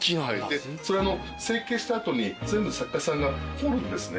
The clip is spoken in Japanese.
それ成形した後に全部作家さんが彫るんですね。